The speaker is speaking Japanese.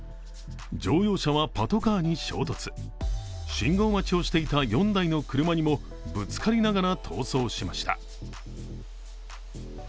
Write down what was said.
乗用車はパトカーに衝突信号待ちをしていた４台の車にもぶつかりながら逃走しました。